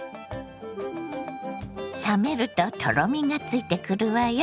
冷めるととろみがついてくるわよ。